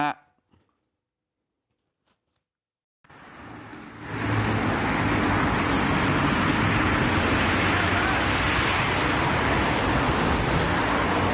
นะน้องก็จะมาเข้าห้องน้ำที่ปั๊มค่ะแล้วก็ถูกถามถูกชัดชวนในเชิงกิจกรรมทางเพศเนี่ย